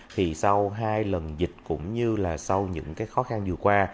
thì sau hai lần dịch cũng như là sau những cái khó khăn vừa qua